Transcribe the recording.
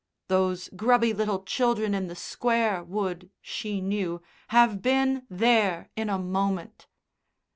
Those grubby little children in the Square would, she knew, have been "there" in a moment.